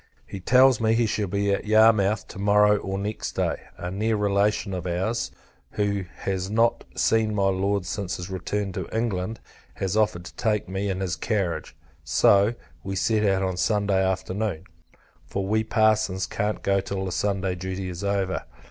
He tells me, he shall be at Yarmouth to morrow or next day. A near relation of our's, who has not seen my Lord since his return to England, has offered to take me in his carriage: so, we set out on Sunday afternoon; for we parsons can't go till the Sunday duty is over.